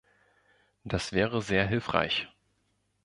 Das wäre sehr hilfreich.